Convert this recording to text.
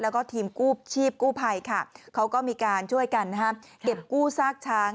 แล้วก็ทีมกู้ชีพกู้ภัยค่ะเขาก็มีการช่วยกันเก็บกู้ซากช้าง